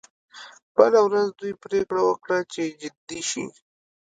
بله ورځ دوی پریکړه وکړه چې جدي شي